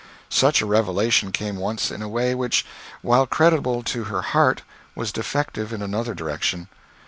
Such a revelation came once in a way which, while creditable to her heart, was defective in another direction.